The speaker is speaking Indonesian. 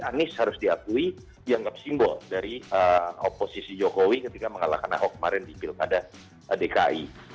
anies harus diakui dianggap simbol dari oposisi jokowi ketika mengalahkan ahok kemarin di pilkada dki